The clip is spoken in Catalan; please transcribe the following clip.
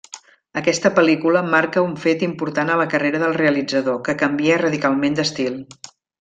Aquesta pel·lícula marca un fet important a la carrera del realitzador, que canvia radicalment d'estil.